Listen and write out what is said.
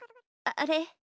あっあれ？